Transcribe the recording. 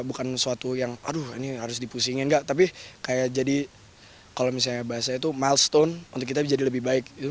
bukan suatu yang aduh ini harus dipusingin nggak tapi kayak jadi kalau misalnya bahasa itu milestone untuk kita jadi lebih baik